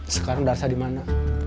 sekarang darsa dimana